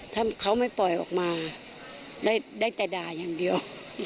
ถ้าเขาไม่ปล่อยออกมาได้แต่ด่าอย่างเดียว